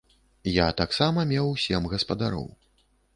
Я таксама меў сем гаспадароў.